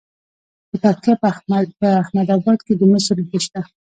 د پکتیا په احمد اباد کې د مسو نښې شته.